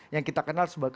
yang kita kenal